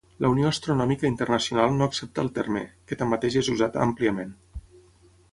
La Unió Astronòmica Internacional no accepta el terme, que tanmateix és usat àmpliament.